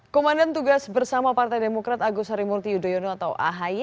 komandan tugas bersama partai demokrat agus harimurti yudhoyono atau ahy